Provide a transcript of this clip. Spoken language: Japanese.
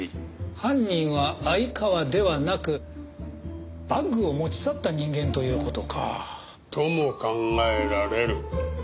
犯人は相川ではなくバッグを持ち去った人間という事か。とも考えられる。